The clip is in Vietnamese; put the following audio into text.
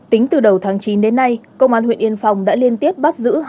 tính từ đầu tháng chín đến nay công an huyện yên phong đã liên tiếp bắt giữ